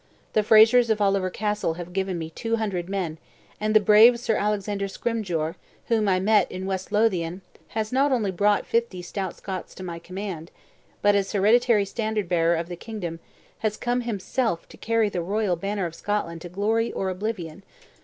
The Frasers of Oliver Castle have given me two hundred men; and the brave Sir Alexander Scrymgeour, whom I met in West Lothian, has not only brought fifty stout Scots to my command, but, as hereditary standard bearer of the kingdom, has come himself to carry the royal banner of Scotland to glory or oblivion."